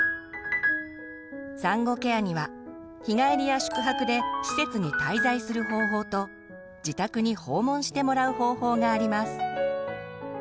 産後ケアには日帰りや宿泊で施設に滞在する方法と自宅に訪問してもらう方法があります。